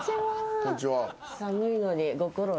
こんにちは。